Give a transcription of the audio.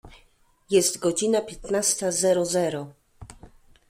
Jest godzina piętnasta zero zero.